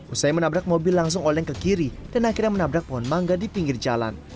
usai menabrak mobil langsung oleng ke kiri dan akhirnya menabrak pohon mangga di pinggir jalan